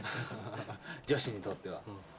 女子にとっては。